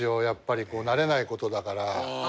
やっぱり慣れないことだから。